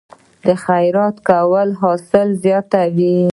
د خیرات ورکول حاصل زیاتوي؟